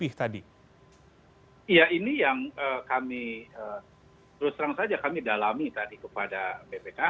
iya ini yang kami terus terang saja kami dalami tadi kepada bpk